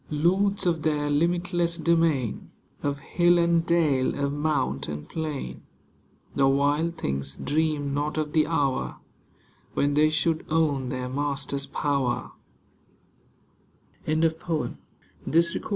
Lords of their limitless domain. Of hill and dale, of mount and plain. The wild things dreamed not of the hour When they should own their Master's power